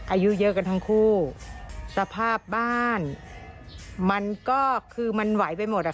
อายุเยอะกันทั้งคู่สภาพบ้านมันก็คือมันไหวไปหมดอ่ะ